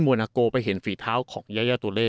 วนาโกไปเห็นฝีเท้าของยายาตัวเล่